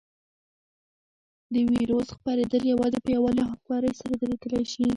د وېروس خپرېدل یوازې په یووالي او همکارۍ سره درېدلی شي.